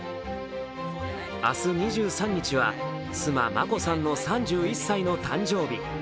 明日２３日は妻・眞子さんの３１歳の誕生日。